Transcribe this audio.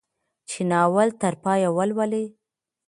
چې ناول تر پايه ولولي.